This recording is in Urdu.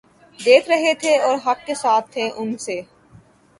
دیکھ رہے تھے اور حق کے ساتھ تھے ان سے